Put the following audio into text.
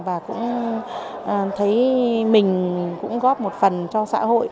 và cũng thấy mình cũng góp một phần cho xã hội